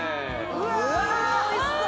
・うわおいしそう！